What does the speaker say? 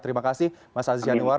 terima kasih mas aziz yanuar